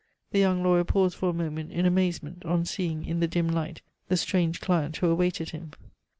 The young lawyer paused for a moment in amazement on seeing in the dim light the strange client who awaited him.